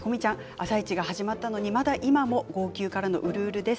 「あさイチ」が始まったのにまだ今も号泣からのうるうるです。